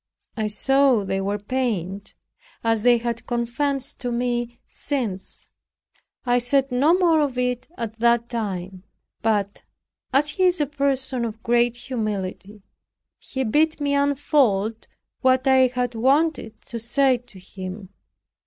I saw they were pained, as they have confessed to me since. I said no more of it at that time. But, as he is a person of great humility, he bid me unfold what I had wanted to say to him.